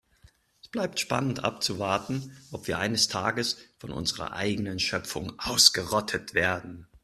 Es bleibt spannend abzuwarten, ob wir eines Tages von unserer eigenen Schöpfung ausgerottet werden.